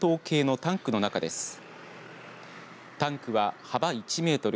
タンクは幅１メートル